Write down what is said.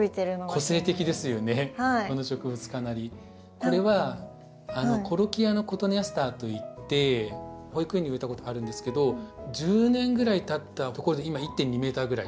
これはコロキアのコトネアスターといって保育園に植えたことがあるんですけど１０年ぐらいたったところで今１．２ｍぐらい。